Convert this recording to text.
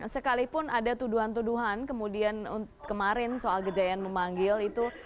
sekalipun ada tuduhan tuduhan kemudian kemarin soal gejayan memanggil itu